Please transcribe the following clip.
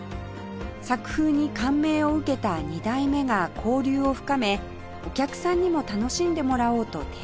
作風に感銘を受けた２代目が交流を深めお客さんにも楽しんでもらおうと展示